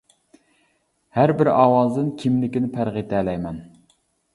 ھەر بىر ئاۋازدىن كىملىكىنى پەرق ئېتەلەيمەن.